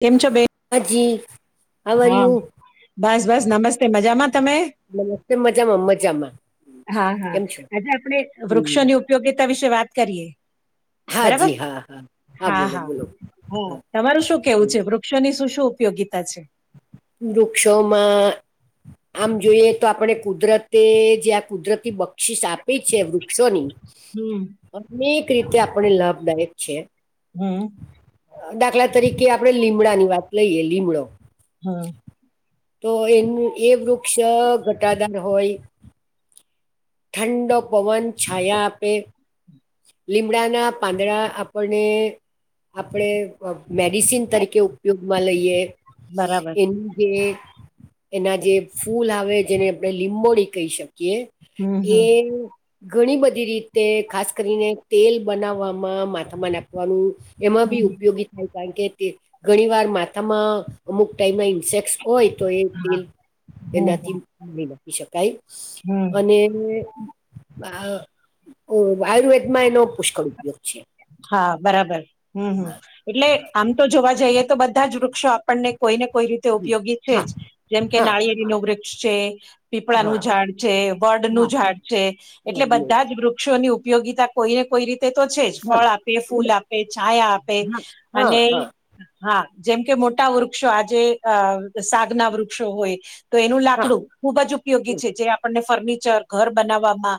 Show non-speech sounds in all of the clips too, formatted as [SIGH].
કેમ છો બે હજી હા બસ બસ નમસ્તે મજામાં તમે નમસ્તે મજામાં મજામાં હા હા કેમ છો આજે આપણે હમ વૃક્ષોની ઉપયોગીતા વિશે વાત કરીએ. હા બરાબર જી હા હા બોલો બોલો હા તમારું શું કેવું હમ. છે, વૃક્ષોની શું શું ઉપયોગીતા છે? વૃક્ષોમાં આમ જોઈએ તો આપણે કુદરતે જે આ કુદરતી બક્ષીસ આપી છે વૃક્ષોની હમ. અનેક રીતે આપણે લાભદાયક છે. હમ. દાખલા તરીકે આપડે લીમડા ની વાત લઈએ લીમડો હા તો એનું એ વૃક્ષ ઘટાદાર હોય ઠંડો પવન છાયા આપે લીમડાના પાંદડા આપણને આપણે અ મેડિસિન તરીકે ઉપયોગમાં લઈએ બરાબર એન કે એના જે ફૂલ આવે જેને આપણે લીંબોડી કહી શકીએ હમ એ હમ ઘણી બધી રીતે ખાસ કરીને તેલ બનાવવામાં માથામા નાખવાનુ એમાં બી હમ ઉપયોગી થાય કારણ કે તે ઘણી વાર માથામાં અમુક ટાઈમમાં ઇન્સેકટસ હોય તો એ હા. તેલ હમ એનાથી નાખી શકાય હમ. [UNINTELLIGIBLE] આયુર્વેદિક એનો પુષ્કળ ઉપયોગ છે. હા બરાબર હમ હમ એટલે આમ તો જોવા જઈએ તો બધા જ વૃક્ષો આપણને કોઈ ને કોઈ રીતે હમ. ઉપયોગી છે હા જ. જેમ કે હા નાળિયેરી નો વૃક્ષ છે. પીપળાનું હા ઝાડ છે, વડ હા નું ઝાડ છે, એટલે હા બધા જ વૃક્ષોની ઉપયોગી કોઈને કોઈ રીતે તો છે જ હા ફળ આપે ફૂલ એટલે- આપે છાયા આપે હા હા અને હા હા જેમ કે મોટા વૃક્ષો આજે સાગ ના વૃક્ષો હોય તો એનું હા લાકડું ખુબ જ ઉપયોગી છે, જે આપણને ફર્નિચર, ઘર બનાવવામાં,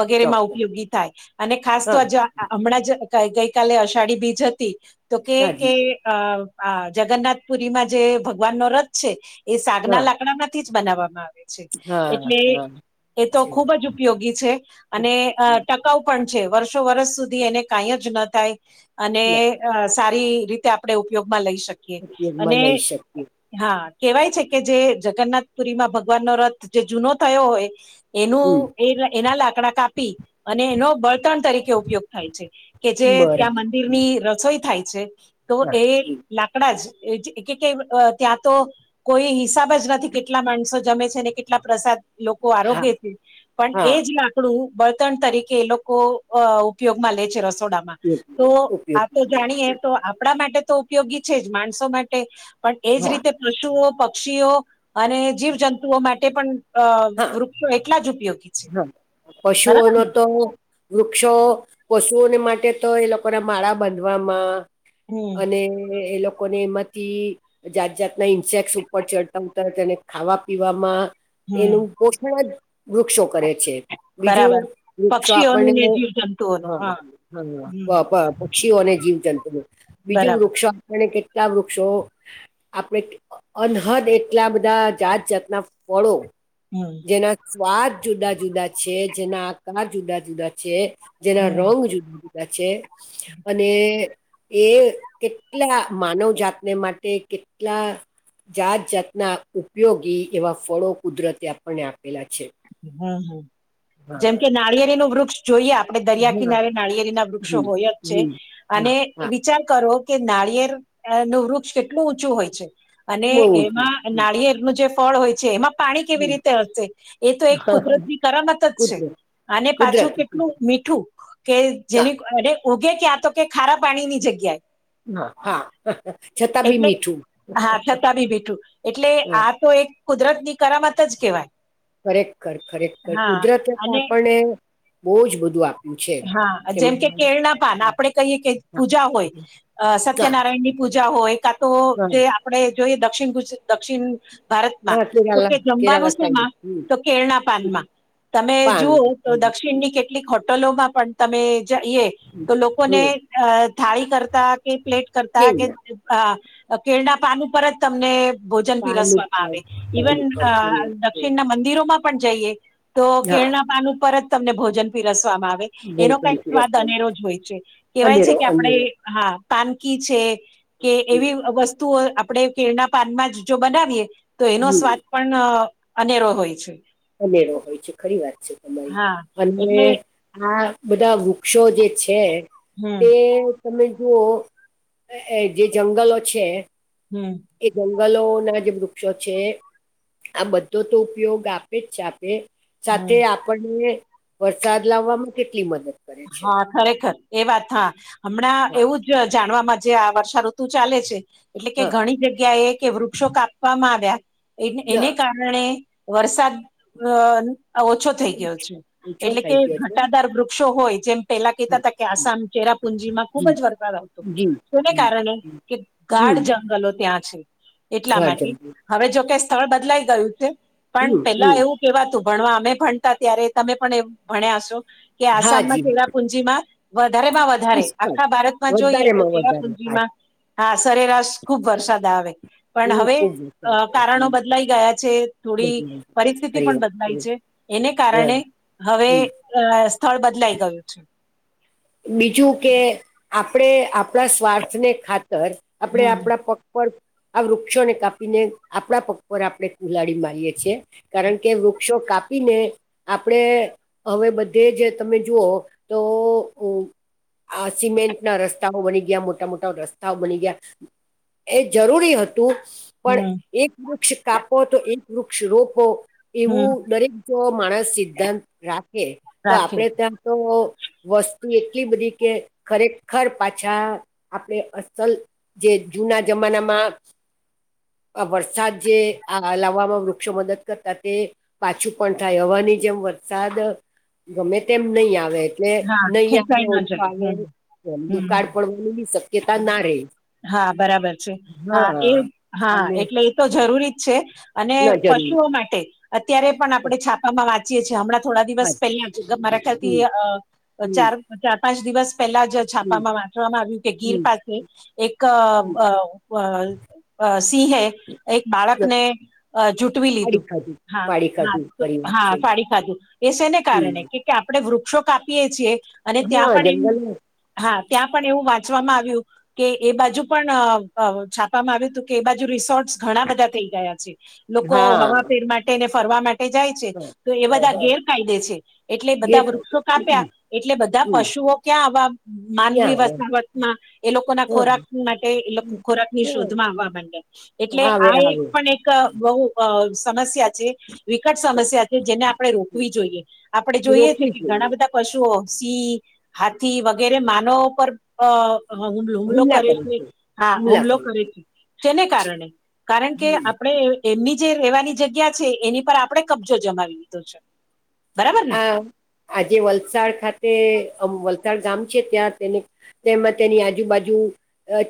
વગેરે માં ચોક્કસ ઉપયોગી થાય અને ખાસ હા તો જો હમણાં જ ગઈકાલે અષાઢી બીજ હતી તો કે કે હાજી અ જગન્નાથ પુરીમાં જે ભગવાન નો રથ છે એ સાગના હા લાકડા માંથી જ બનાવવામાં આવે છે. હા એટલે હા એ તો છે. ખુબ જ ઉપયોગી છે. અને અ ટકાઉ પણ છે વર્ષો વર્ષ સુધી એને કાંઈ જ ન થાય અને ના અ સારી રીતે આપણે ઉપયોગમાં લઈ શકીએ ઉપયોગમાં અને લઈ શકીએ હા કેવાય છે કે જે જગન્નાથપુરીમાં ભગવાનનો રથ જે જૂનો થયો હોય એનું હમ એ એના લાકડા કાપી અને એનો બળતણ તરીકે ઉપયોગ થાય છે કે જે બરાબર ત્યાં મંદિર હમ ની રસોઈ થાય છે તો હા એ હમ લાકડા જ કે ત્યાં તો કોઈ હિસાબ જ નથી કેટલા માણસો જમે છે ને કેટલા પ્રસાદ લોકો હા આરોગ્ય છે પણ એ હા જ લાકડું બળતણ તરીકે તો ઉપયોગમાં લે છે રસોડામાં તો ઉપયોગ આ તો જાણીએ તો આપણા માટે તો ઉપયોગી છે જ માણસો માટે પણ એજ હા રીતે પશુઓ પક્ષીઓ અને જીવ જંતુઓ માટે પણ અ હા વૃક્ષો એટલા જ ઉપયોગી છે. હા પશુઓ બરાબર નો ને તો વૃક્ષો પશુઓને માટે તો એ લોકોને માળા બાંધવામાં હમ અને એ લોક લોકોને એમાંથી જાત જાતના ઇન્સેક ઉપર ચડતા હોતા તેને ખાવા પીવામાં હમ એનું પોષણ જ વૃક્ષો કરે છે બીજું બરાબર વૃક્ષો પક્ષીઓનું આપણને ને [UNINTELLIGIBLE] જીવ જંતુઓનું હા હમ હા પક્ષીઓ અને જીવ જંતુઓ બીજું બરાબર વૃક્ષો આપણને કેટલા વૃક્ષો આપે અનહદ એટલા બધા જાત જાતના ફળો હમ જેના સ્વાદ જુદા જુદા છે જેના આકાર જુદા જુદા છે જેના હમ રંગ જુદી જુદા છે અને એ કેટલા માનવ જાતને માટે કેટલા જાત જાતના ઉપયોગી એવા ફળો કુદરતે આપણને આપેલા છે. હમ હમ જેમ હા કે નાળિયાદ એનું વૃક્ષ જોઈએ આપણે દરિયા હા કિનારે નાળિયે ના વૃક્ષો હમ હોય જ છે હમ હા અને હા વિચાર કરો કે નાળિયેર નું વૃક્ષ કેટલું ઊંચું હોય છે અને બહુ ઊંચું એમાં હમ, નાળિયેરનું જે ફળ હોય છે એમાં પાણી કેવી હમ, રીતે હશે. એ તો એક હા, હા, કુદરતની કરમત જ છે કુદરત અને પાછું કુદરતી કેટલું કુદરત મીઠું કે હા જેની એ ઉગે ક્યાં તો કે ખારા પાણી ની જગ્યાએ. હા હા. છતાં બી એટલે મીઠું હા છતાં બી બેઠું એટલે હા આ તો એક કુદરત ની કરામત જ ક કેવાય. ખરેખર ખરેખ ખર કુદરતે તો અને આપણને બહુ જ બધું આપ હા જેમ કે કેળના પાન આપણે કહીએ કે હા પૂજા હોય. અ હા સત્યનારાયણ ની પૂજા હોય કાં તો હા જે આપણે જોઈએ દક્ષિણ ગુજ દક્ષિણ ભારતમાં હા, તો કેરાલા કે કેરાલા જમવાનું સાઈડ શેમાં હમ તો કેળના હમ પાનમાં. તમે પાન જુઓ તો દક્ષિણની કેટલીક હોટલોમાં પણ તમે જઈએ. તો લોકોને હમ અ થાળી કરતા કે પ્લેટ કરતા કે કેવના હા કેળના પાન ઉપરજ તમને ભોજન પાન પીરસવામાં ઉપર આવે પાન ઇવન ઉપર ફરી દક્ષિણ ના મંદિરોમાં પણ જઈએ તો હા કેળના પાન ઉપર જ તમને ભોજન પીરસવામાં આવે. એનો ભોજન કઈક સ્વાદ રેસ્ટોરન્ટ અનેરોજ હોય છે કેવાય છે અનેરો કે અનેરો આપણે હા પાનકી છે કે એવી વસ્તુ તે આપણે કેળના પાનમાં જો બનાવીએ તો એનો હમ સ્વાદ પણ અનેરો હોય છે. અનેરો હોય છે ખરી વાત છે તમારી હા અને એટલે આ બધા વૃક્ષો જે છે હમ તે. તમે જુઓ જે જંગલો છે. હમ. એ જંગલો ના જે વૃક્ષો છે આ બધો તો ઉપયોગ આપ છે આપે હમ સાથે આપણને વરસાદ લાવવામાં કેટલી મદદ કરે છે હા. ખરેખર એ વાત હા હમણાં હા એવું જ જાણવાવામાં જે આ વર્ષાઋતુ ચાલે છે. એટલે કે હા ઘણી જગ્યા એ કે વૃક્ષો કાપવામાં આવ્યા એ એને ના, કારણે. વરસાદ ઓછો. થઈ ગયો ઓછો છે ઓછો એટલે કે થઈ ગયો છે ઘટાદાર વૃક્ષો હોય જેમ. પેલા કહેતા હમ, હતા કે આસામ ચેરાપુંજી માં ખુબ જી જ વરસાદ આવતો. જી શને જી કારણે કે ગાઢ હમ જંગલો ત્યાં છે. એટલા ઘર માટે જમવું હવે જોકે સ્થળ બદલાઈ ગયું છે પણ હમ પેલા હમ એવું. કેવા તું ભણવા અમે ભણતા ત્યારે તમે પણ એવ ભણ્યા છો કે હા આસામમાં. જી હા પુંજીમાં વધારેમાં વધારે પુષ્કળ આખા ભારતમાં જોઈએ તો વધારેમાં કેવા વધારે હા પુંજીમાં. હા સરેરાશ ખુબ વરસાદ આવે. પણ હું હવે ખુબ કારણો બદલાઈ ગયા છે થોડી બધું પરિસ્થિતિ ખરી પણ વાત બદલાઈ છે. એને હા, કારણે હવે હમ. સ્થળ બદલાઈ ગયું છે. બીજું કે આપણે આપણા સ્વાર્થને ખાતર આપણે હમ આપણા પ. પર આ વૃક્ષોને કાપીને આપણા પગ પર આપણે કુલાડી મારીએે છીએ. કારણ કે વૃક્ષો કાપીને. આપણે હવે બધે જે તમે જુઓ તો. આ સિમેન્ટ ના રસ્તાઓ બની ગયા મોટા મોટા રસ્તાઓ બની ગયા. એ જરૂરી હતું. પણ હમ એક વૃક્ષ કાપો તો એક વૃક્ષ રોપો એવું હમ દરેક. જો માણસ સિદ્ધાંત રાખે તો રાખી આપણેે ત્યાં તો વસ્ તી એટલી બધી કે ખરેખર પાછા આપણે અસલ. જે જુના જમાના માં. વરસાદ જે લાવવામાં વૃક્ષો મદદ કરતા તે. પાછું પણ થાય હવાની જેમ વરસાદ ગમે તેમ નહી આવે એટલે. હા ખેંચાઈ ઓછ ન જાય હમ આવે એ હમ દુકાળ પણ શક. હા બરાબર છે હા એ હા અને એટલે. તો જરૂરી જ છે અને ના જરૂર પશુઓ માટે અત્યારે પણ આપણે છાપામાં વાંચ ચીએછ હમણાં થોડા દિવસ ખાધી પેલા જ મારાખ્યાંથી હમ હમ ચાર. ચાર પાંચ દિવસ પહેલા જ હમ છાપામાં વાંચવામાં આવ્યું કે ગીર હમ પાસે એક. સિંહે એક બાળકને જૂટવી ફાડી લીધું. ખાધું હા ફાડી ખાધું હા ખરી વાત હા છે ફાળી ખાજુ એ એને કારણે હમ કે. કે આપણે વૃક્ષો કાપીએ છીએ અને ત્યાં હા પણ જંગલ એ હા ત્યાં પણ એવું વાત. વામાં આવ્યું. કે એ બાજુ પણ છાપવામાં આવ્યું હતું કે એ બાજુ રિસોર્ટસ ઘણા બધા થઈ ગયા છે. લોકો હા હવા ફેર માટે ને ફરવા માટે જાય છે હા તો એ હા બધા હા. ગેરકાયદે છે. એટલે ગેર બધા વૃક્ષો કાપ્યા એટલે બધા હમ પશુઓ ક્યાં આવા માનવી ક્યાં વસ્તુ. હ એ લોકો ના આવે ખોરાક માટે એ લોકો ખોરાક ની હા શોધમાં આવવા માંડે. હા, એટલે આવે આ એક આવે પણ એક બહુ સમસ્યા છે. વિકટ સમસ્યા છે જેને આપણે રોકવી જોઈએ આપણે એ જોઈએ છે રોકવી કે જોઈએ ઘણા બધા. પશુઓ સિંહ હાથી વગેરે માનવ પર અ. હમ હુમલો કરે છે હા હુમલો કરે છે જેને કારણે કારણ કે. આપણે એમની જે રહેેવાની જગ્યા છે એની પર આપડણે કબજો જમાવી લીધો છે. બરાબર ને. આ આજે વલસાડ ખાતે વલસાડ ગામ છે ત્યાં તેને. તેમાં તેની આજુબાજુ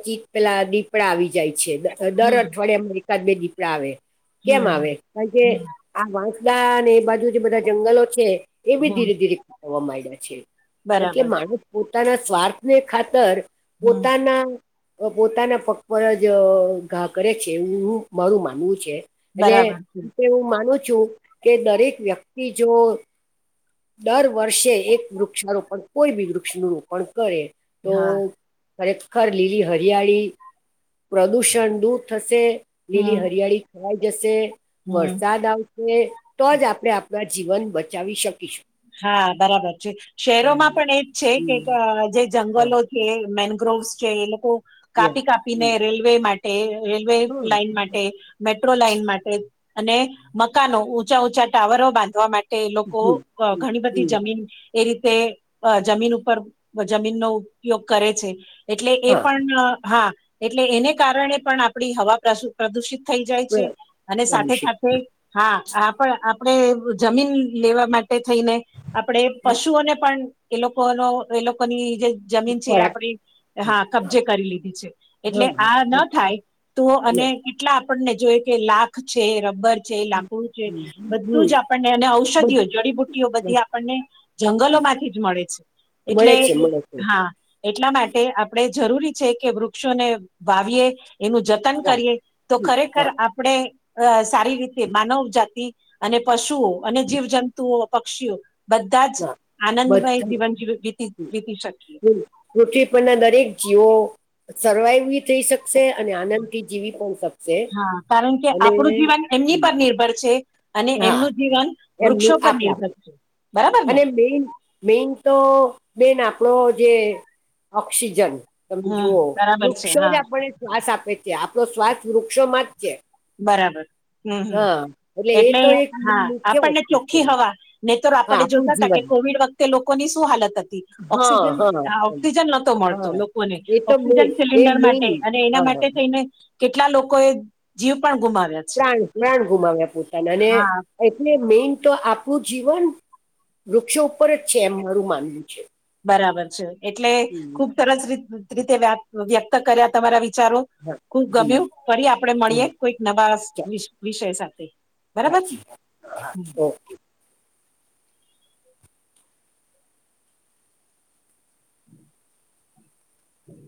ચીત પેલા દ. દીપડા આવી જાય છે દર હમ અઠવાડિયામાં એકાદ બે દીપડા આવે કેમ આવે હમ કારણ કે. હમ આ વાંસદ અને એ બાજુ જે બધા જંગલો છે. એ બી હમ ધીરે ધીરેવા માંડ્યા છે એટલે બરાબર માણસ. પોતાના સ્વાર્થને ખાતર હમ પોતાના. પોતાના પગ પર જ ઘા કરે છે એવું મારું માનવું છે. એટલે બરાબર છે એવું હું માનું છું કે દરેક વ્યક્તિ જો દર વર્ષે એક વૃક્ષારોપણ કોઈ બી વૃક્ષ નુ રોપણ કરે. તો હા ખરેખર લીલી હરિયાળી પ્રદુષણ દૂર થશે. હમ લીલી હરિયાળી ખવાઈ જશે હમ વરસાદ આવશે. ને તો જ આપણે આપણા જીવન બચાવી શકીશું. હા બરાબર છે શહેરોમાં હમ પણ એજ છે હમ કે જે હા જંગલો મેનગ્રોવસ છે એ લોકો કાપી કાપીને રેલવે માટે. તે રેલવે હા, લાઈન માટે. મેટ્રો લાઈન માટે અને મકાનો ઊંચા ઊંચા ટાવરો બાંધવા માટે એ લોકો. હમ ઘણી બધી હમ જમીન એ રીતે અ જમીન ઉપર જમીનનો ઉપયોગ કરે છે. એટલે એ હા પણ હા એટલે એને કારણે પણ આપણી હવા પ્રસુ. પ્રદુષિત થઈ જાય છે પ્ર- અને સાથે પ્રદૂષિત સાથે‌. હા આપ આપણેે જમીન લેવા માટે. થઈને આપણે પશુઓને પણ એ લોકોનો એ લોકોની જે. જમીન છે એ ખોરાક આપણે હા કબજે કરી લીધી છે. હા, એટલે હા, આ ન થાય તો અને કેટલા આપણને જોય કે લાખ છે રબર છે લાકડું છે બધું હમ જ આપણને બધ- ઔષધિઓ જડીબુટ્ટી ઔષધી બધી બધ- આપણને જંગલો માંથી જ મળે છે એટલે મળે છે મળે છે હા‌. એટલા માટે આપણે જરૂરી છે કે વૃક્ષોને વાવીએ એનું જ ન વાહ કરીએ તો ખરેખર હા આપ આપણે અ સારી રીતે માનવ જાતિ અને પશુઓ અને જીવજંતુઓ પક્ષીઓ બધા જ હા આનંદમય બધા જીવન જીતી વીતી શકીએ પૃથ્વી પરના દરેક જીવો સર્વાઈવ બી થઈ શકશે અને આનંદથી જીવી પણ શકશે. હા કારણ કે અને આપડું જીવન એમની હમ, પર નિર્ભર છે. અને હા એમનું જીવન વૃક્ષો એમનું પર આપણા નિર્ભર છે. બરાબર ને અને મેન મેન તો બેન આપડો જે ઓક્સિજન તમે હમ જુઓ બરાબર છે વૃક્ષો ને હા આપણે શ્વાસ આપે છે આપણો શ્વાસ વૃક્ષોમાં જ છે. બરાબર હમ હમ હા એ એટલે તો એક હા મુખ્ય આપણને વસ્તુ છે ચોખ્ખી હવા ને તો હા આપણે આપણું જોતા હતા કે જીવન કોવિડ વખતે લોકોની શું હાલત હતી હા ઓક્સિજન હા એમ. ઓક્સિજન નહતો મળતો હા લોકોને એ તો મે ઓક્સિજન એ સિલિન્ડર મેન માટે અને એના હા માટે. થઈને કેટલા લોકો એ જીવ પણ ગુમાવ્યા‌. પ્રાણ પ્રાણ ગુમાવ્યા પોતાના અને. એટલે મેન તો આપણું જીવન વૃક્ષો ઉપર જ છે એમ મારું માનવું છે. બરાબર છે એટલે હમ ખુબ સરસ રી રીતે વ્યક વ્યક્ત કર્યા તમારા વિચારો. હા ખુબ જી ગમ્યું ફરી આપડે મળીએ કોઈક નવા વિષ વિષય સાથે. બરાબર હાચી વાત હમ. [UNINTELLIGIBLE] હમ.